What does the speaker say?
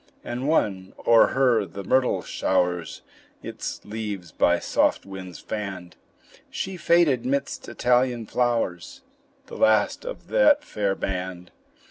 And one o'er her the myrtle showers Its leaves by soft winds fanned; She faded midst Italian flowers The last of that fair band.